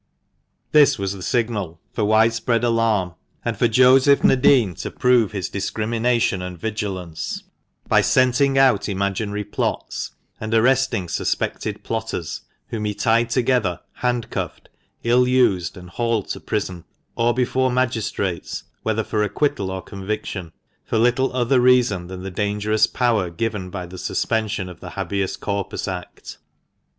This was the signal for widespread alarm, and for Joseph Nadin to prove his discrimination and vigilance by scenting out imaginary plots, and arresting suspected plotters, whom he tied together, handcuffed, ill used, and hauled to prison, or before magistrates (whether for acquittal or conviction), for little other reason than the dangerous power given by the suspension of the Habeas Corpus Act.